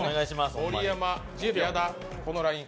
盛山、矢田、このライン。